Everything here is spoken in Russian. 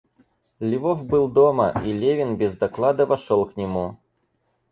Львов был дома, и Левин без доклада вошел к нему.